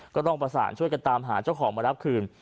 ก็ต้องประสานช่วยกันตามหาเจ้าของมารับคืน